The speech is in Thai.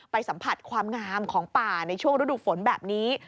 สัมผัสความงามของป่าในช่วงฤดูฝนแบบนี้